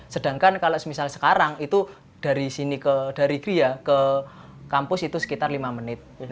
sedangkan kalau misalnya sekarang itu dari gria ke kampus itu sekitar lima menit